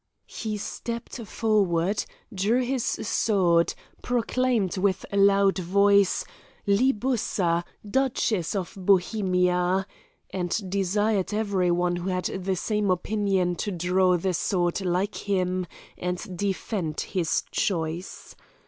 He stepped forward, drew his sword, proclaimed with a loud voice, Libussa, Duchess of Bohemia, and desired every one who had the same opinion to draw the sword like him and defend his choice.